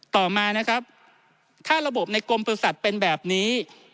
ต่อมานะครับถ้าระบบในกรมบริษัทเป็นแบบนี้